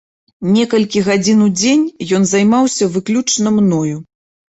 Некалькі гадзін у дзень ён займаўся выключна мною.